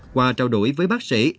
qua trao đổi với bác sĩ